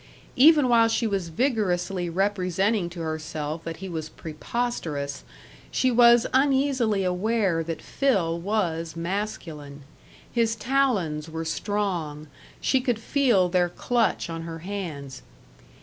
Even while she was vigorously representing to herself that he was preposterous, she was uneasily aware that Phil was masculine. His talons were strong; she could feel their clutch on her hands.